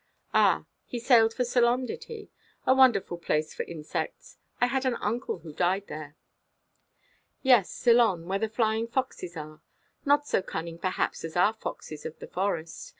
"Ah, he sailed for Ceylon, did he? A wonderful place for insects. I had an uncle who died there." "Yes, Ceylon, where the flying foxes are. Not so cunning, perhaps, as our foxes of the Forest.